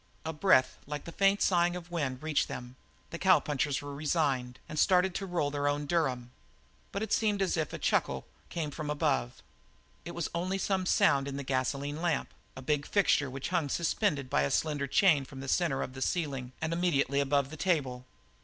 A breath like the faint sighing of wind reached them; the cowpunchers were resigned, and started now to roll their Durham. But it seemed as if a chuckle came from above; it was only some sound in the gasoline lamp, a big fixture which hung suspended by a slender chain from the centre of the ceiling and immediately above the table.